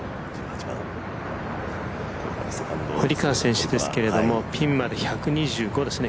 堀川選手ですけれども、ピンまで１２５ですね。